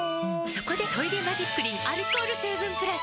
そこで「トイレマジックリン」アルコール成分プラス！